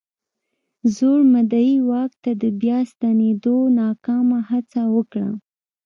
زوړ مدعي واک ته د بیا ستنېدو ناکامه هڅه وکړه.